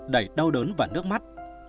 đầy đau đớn và nước mắt